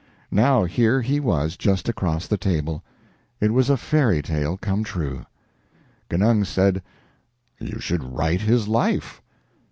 Now here he was just across the table. It was a fairy tale come true. Genung said: "You should write his life."